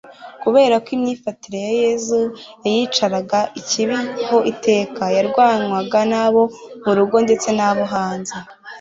Kubera ko imyifatire ya Yesu yaciraga ikibi ho iteka, yarwanywaga n'abo mu rugo ndetse n'abo hanze.